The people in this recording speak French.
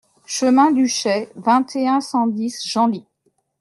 Chemin d'Huchey, vingt et un, cent dix Genlis